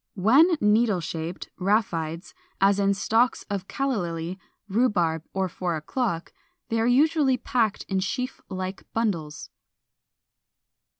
When needle shaped (rhaphides), as in stalks of Calla Lily, Rhubarb, or Four o'clock, they are usually packed in sheaf like bundles.